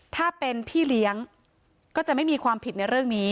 ถ้าเป็นพี่เลี้ยงก็จะไม่มีความผิดในเรื่องนี้